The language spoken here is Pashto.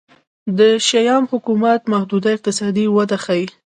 د شیام حکومت محدوده اقتصادي وده ښيي.